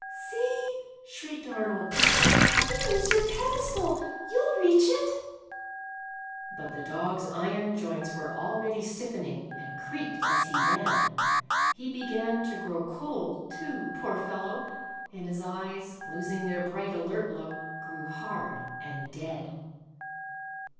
"See," shrieked Arnold, "there is your ped estal — you '11 reach it !" The Iron Dog. 169 But the Dog's iron joints were already stiffen ino , and creaked as he ran. He beean to l>tow cold, too, poor fellow, and his eyes, losing their bright alert look, grew hard and dead.